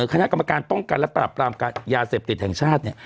คณะกรรมการป้องกันและปรับปรามการยาเสพติดแห่งชาติเนี่ย